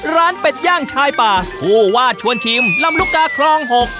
ร้านเป็ดย่างชายป่าผู้วาดชวนชิมลำรุกกาครองหก